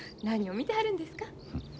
何を見てはるんですか？